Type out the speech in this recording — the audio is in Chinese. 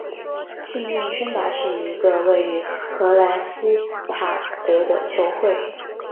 幸运薛达是一个位于荷兰锡塔德的球会。